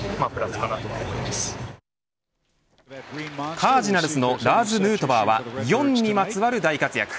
カージナルスのラーズ・ヌートバーは４にまつわる大活躍。